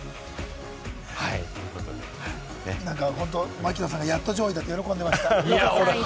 槙野さんがやった上位だって喜んでました。